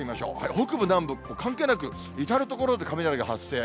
北部、南部、関係なく、至る所で雷が発生。